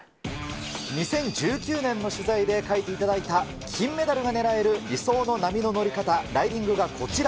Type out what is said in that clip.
２０１９年の取材で描いていただいた、金メダルが狙える理想の波の乗り方、ライディングがこちら。